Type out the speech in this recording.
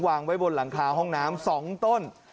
วางไว้บนหลังคาห้องน้ำ๒ต้น